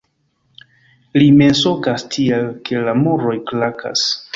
Li mensogas tiel, ke la muroj krakas.